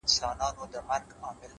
دي مړ سي! زموږ پر زړونو مالگې سيندي!!